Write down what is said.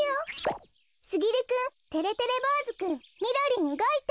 すぎるくんてれてれぼうずくんみろりんうごいた。